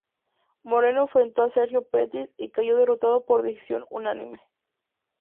Moreno enfrentó a Sergio Pettis y cayó derrotado por decisión unánime.